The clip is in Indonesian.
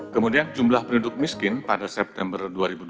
kemudian jumlah penduduk miskin pada september dua ribu dua puluh